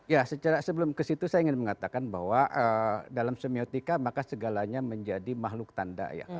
ya sebelum ke situ saya ingin mengatakan bahwa dalam semiotika maka segalanya menjadi makhluk tanda ya